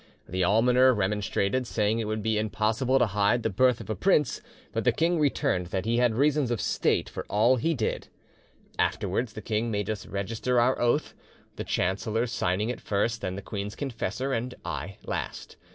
The almoner remonstrated, saying it would be impossible to hide the birth of a prince, but the king returned that he had reasons of state for all he did. "'Afterwards the king made us register our oath, the chancellor signing it first, then the queen's confessor, and I last.